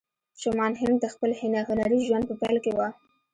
شومان هینک د خپل هنري ژوند په پیل کې وه